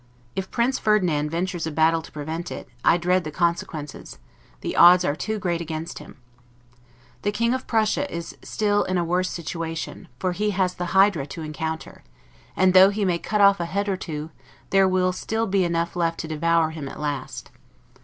If Prince Ferdinand ventures a battle to prevent it, I dread the consequences; the odds are too great against him. The King of Prussia is still in a worse situation; for he has the Hydra to encounter; and though he may cut off a head or two, there will still be enough left to devour him at last.